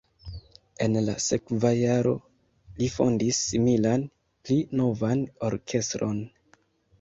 En la sekva jaro li fondis similan, pli novan orkestron.